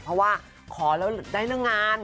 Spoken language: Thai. เพราะว่าขอแล้วได้นางงาน